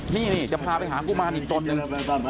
นี่จะพาไปหากุมารอีกตนหนึ่ง